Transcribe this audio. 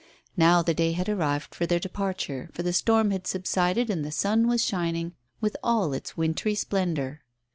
Now the day had arrived for their departure, for the storm had subsided and the sun was shining with all its wintry splendour.